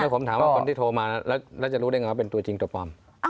แล้วผมถามว่าคนที่โทรมาแล้วจะรู้ได้ยังไงว่าเป็นตัวจริงหรือเปล่า